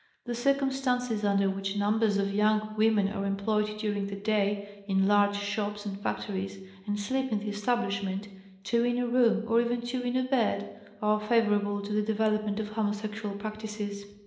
The circumstances under which numbers of young women are employed during the day in large shops and factories, and sleep in the establishment, two in a room or even two in a bed, are favorable to the development of homosexual practices.